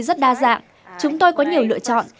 rất đa dạng chúng tôi có nhiều lựa chọn